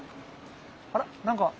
あら？何か？